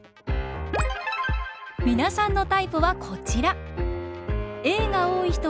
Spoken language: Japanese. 皆さんのタイプはこちら。